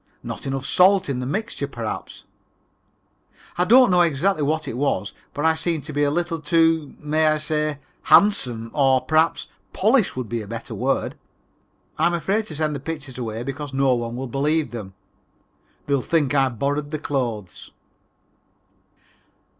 Not enough salt in the mixture, perhaps. I don't know exactly what it is but I seem to be a little too, may I say, handsome or, perhaps, polished would be the better word. I'm afraid to send the pictures away because no one will believe them. They will think I borrowed the clothes.